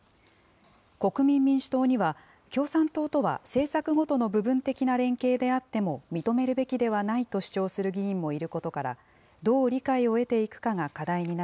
国民民主党には、共産党とは政策ごとの部分的な連携であっても認めるべきではないと主張する議員もいることから、どう理解を得ていくかが課題にな